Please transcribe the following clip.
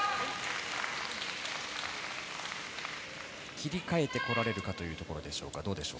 切り替えてこられるかというところでしょうか。